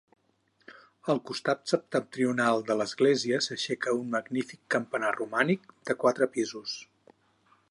Al costat septentrional de l'església s'aixeca un magnífic campanar romànic de quatre pisos.